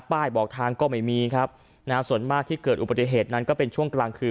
บอกทางก็ไม่มีครับนะฮะส่วนมากที่เกิดอุบัติเหตุนั้นก็เป็นช่วงกลางคืน